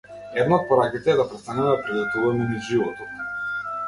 Една од пораките е да престанеме да прелетуваме низ животот.